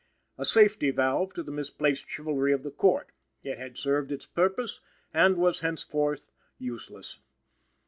A safety valve to the misplaced chivalry of the Court it had served its purpose, and was henceforth useless.